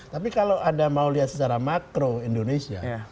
tapi kalau anda mau lihat secara makro indonesia